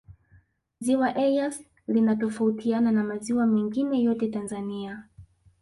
ziwa eyasi linatofautiana na maziwa mengine yote tanzania